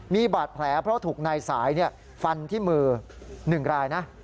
มีบาดแผลเพราะถูกนายสายฟันที่มือ๑รายนะ